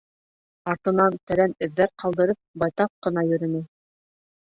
Артынан тәрән эҙҙәр ҡалдырып, байтаҡ ҡына йөрөнө.